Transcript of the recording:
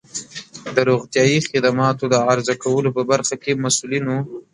د روغتیایی خدماتو د عرضه کولو په برخه کې د مسؤلینو